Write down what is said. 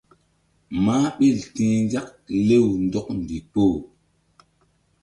Mah ɓil ti̧h nzak lew ndɔk ndikpoh.